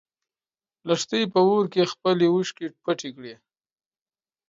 لښتې په اور کې خپلې اوښکې پټې کړې.